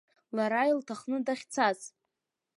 Лара илҭахны дахьцаз…